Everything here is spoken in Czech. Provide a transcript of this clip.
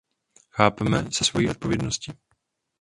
Chápeme se svojí odpovědnosti.